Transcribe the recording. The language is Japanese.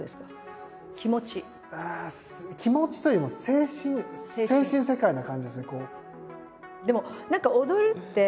気持ちというよりも精神世界な感じですね。